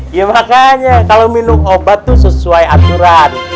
iya makanya kalau minum obat itu sesuai anjuran